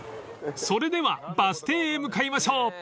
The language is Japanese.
［それではバス停へ向かいましょう］